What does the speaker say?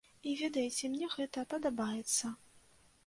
І ведаеце, мне гэта падабаецца.